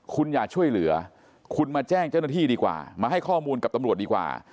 คุณอย่าช่วยเหลือคุณมาแจ้งเจ้าหน้าที่ดีกว่ามาให้ข้อมูลกับตำรวจดีกว่า